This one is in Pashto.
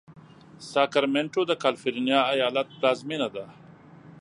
ساکرمنټو د کالفرنیا ایالت پلازمېنه ده.